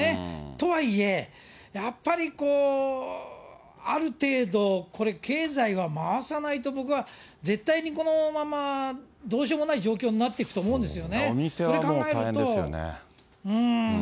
とはいえやっぱり、こう、ある程度、これ経済は回さないと、僕は絶対にこのままどうしようもない状況になっていくと思うんでお店はもう、大変ですよね。